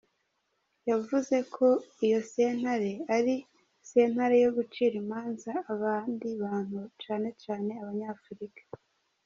Yavuze ko iyo sentare ari "sentare yo gucira imanza abandi bantu cane cane abanyafrika".